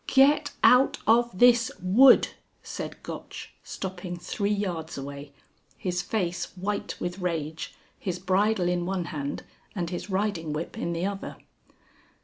"Get out of this wood," said Gotch, stopping three yards away, his face white with rage, his bridle in one hand and his riding whip in the other.